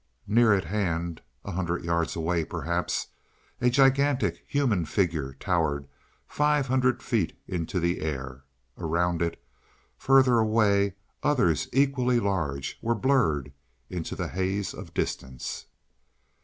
Near at hand a hundred yards away, perhaps a gigantic human figure towered five hundred feet into the air. Around it, further away, others equally large, were blurred into the haze of distance.